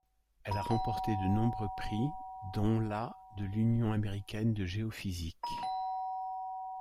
Elle a remporté de nombreux pris, dont la de l'Union américaine de géophysique.